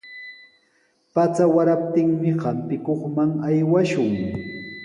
Pacha waraptinmi hampikuqman aywashun.